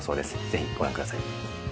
ぜひご覧ください。